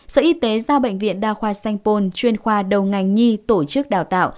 sở y tế giao bệnh viện đa khoa sanh pôn chuyên khoa đầu ngành nhi tổ chức đào tạo